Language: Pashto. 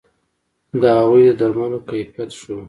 د هغوی د درملو کیفیت ښه وو